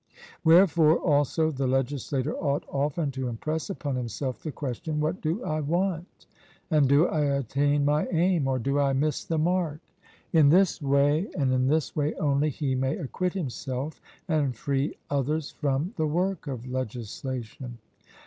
Wherefore, also, the legislator ought often to impress upon himself the question 'What do I want?' and 'Do I attain my aim, or do I miss the mark?' In this way, and in this way only, he may acquit himself and free others from the work of legislation.